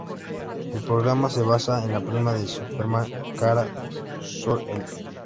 El programa se basa en la prima de Superman, Kara Zor-El.